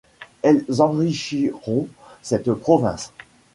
Elles enrichiront cette province.